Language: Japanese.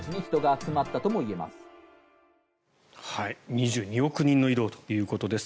２２億人の移動ということです。